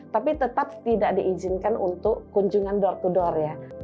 tapi tetap tidak diizinkan untuk kunjungan door to door ya